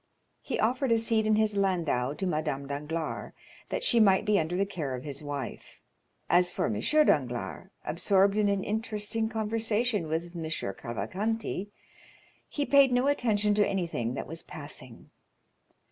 He offered a seat in his landau to Madame Danglars, that she might be under the care of his wife. As for M. Danglars, absorbed in an interesting conversation with M. Cavalcanti, he paid no attention to anything that was passing.